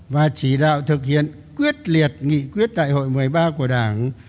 và chỉ đạo thực hiện quyết liệt nghị quyết đại hội một mươi ba của đảng